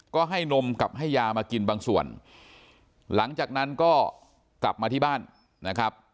ก็ให้นมกับให้ยามากินบางส่วนหลังจากนั้นก็กลับมาที่บ้านนะครับ